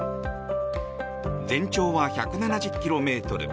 全長は１７０ｋｍ